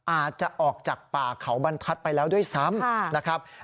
อาจจะออกจากป่าเขาบรรทัศน์ไปแล้วด้วยซ้ำนะครับ